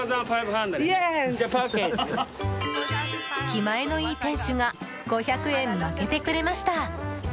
気前のいい店主が５００円、負けてくれました。